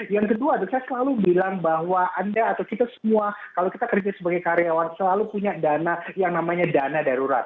yang kedua adalah saya selalu bilang bahwa anda atau kita semua kalau kita kerja sebagai karyawan selalu punya dana yang namanya dana darurat